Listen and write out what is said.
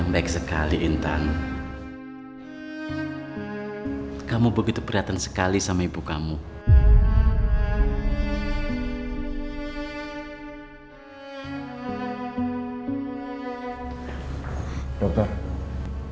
nanti mau ker hatim kan